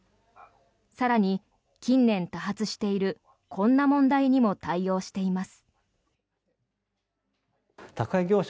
更に、近年、多発しているこんな問題にも対応しています。